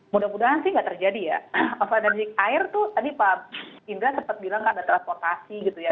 mudah mudahan sih nggak terjadi ya masalah energi air tuh tadi pak indra sempat bilang kan ada transportasi gitu ya